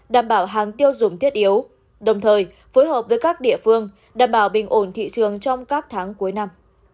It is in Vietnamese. đảm bảo hàng tiêu dùng thiết yếu đồng thời phối hợp với các địa phương đảm bảo bình ổn thị trường trong các tháng cuối năm